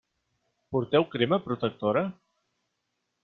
Porteu crema protectora?